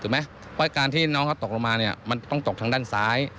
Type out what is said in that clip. เพราะการที่น้องเขาตกลงมาเนี่ยมันต้องตกทางด้านซ้าย